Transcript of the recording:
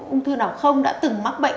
ung thư nào không đã từng mắc bệnh